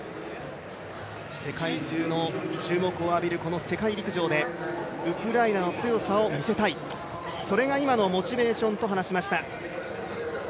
世界中の注目を浴びるこの世界陸上でウクライナの強さを見せたい、それが今のモチベーションと話しました。